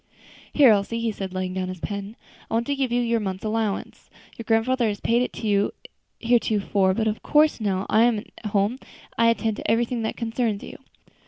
"Here, Elsie," he said, laying down his pen, "I want to give you your month's allowance. Your grandfather has paid it to you heretofore, but of course, now that I am at home, I attend to everything that concerns you.